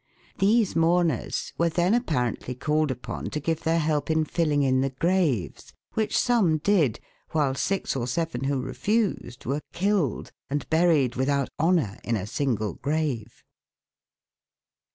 These mourners were then apparently called upon to give their help in filling in the graves, which some did, while six or seven who refused were killed, and buried without honour in a single grave.